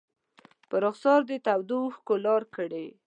په رخسار دې تودو اوښکو لارې کړي